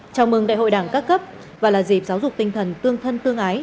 chào mừng đại hội đảng các cấp và là dịp giáo dục tinh thần tương thân tương ái